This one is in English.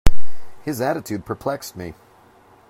His attitude perplexed me.